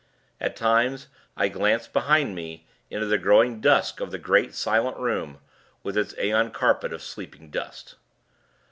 At times, I glanced behind me, into the growing dusk of the great, silent room, with its aeon carpet of sleeping dust....